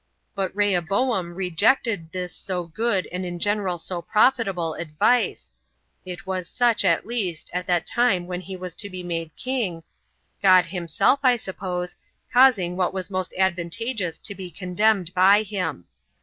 But Rehoboam rejected this so good, and in general so profitable, advice, [it was such, at least, at that time when he was to be made king,] God himself, I suppose, causing what was most advantageous to be condemned by him.